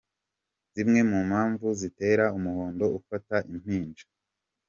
Zimwe mu mpamvu zitera Umuhondo ufata impinja.